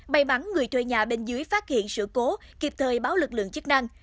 may mắn người thuê nhà bên dưới phát hiện sự cố kịp thời báo lực lượng chức năng